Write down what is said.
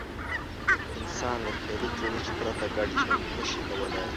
انسان له خیالي جوړښت پرته ګډ ژوند نه شي کولای.